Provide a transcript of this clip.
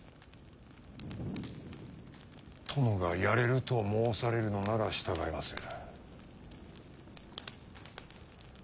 殿がやれると申されるのなら従いまする。